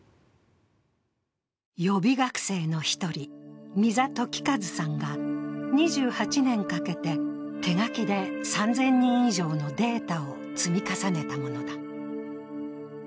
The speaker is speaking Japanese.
予備学生の一人、美座時和さんが２８年かけて、手書きで３０００人以上のデータを積み重ねたものだ。